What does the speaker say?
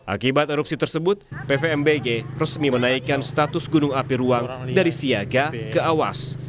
akibat erupsi tersebut pvmbg resmi menaikkan status gunung api ruang dari siaga ke awas